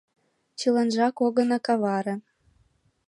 — Чыланжак огына каваре.